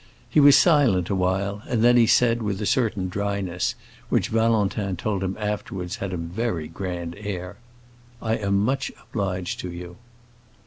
He was silent a while, and then he said, with a certain dryness which Valentin told him afterwards had a very grand air, "I am much obliged to you."